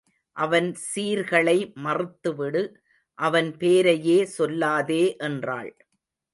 அவன் சீர்களை மறுத்துவிடு அவன் பேரையே சொல்லாதே என்றாள்.